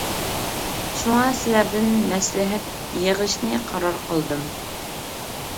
شۇڭا سىلەردىن مەسلىھەت يىغىشنى قارار قىلدىم.